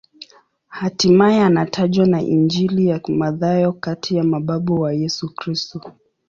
Hatimaye anatajwa na Injili ya Mathayo kati ya mababu wa Yesu Kristo.